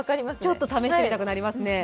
ちょっと試してみたくなりますね。